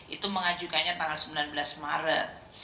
itu mengajukannya tanggal sembilan belas maret